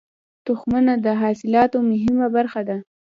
تخمونه د حاصلاتو مهمه برخه ده.